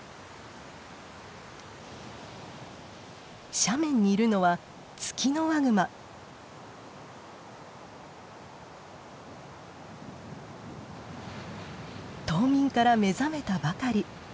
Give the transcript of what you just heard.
斜面にいるのは冬眠から目覚めたばかり。